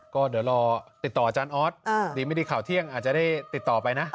ก็เดี๋ยวรอติดต่ออาจารย์ออสดีไม่ดีข่าวเที่ยงอาจจะได้ติดต่อไปนะ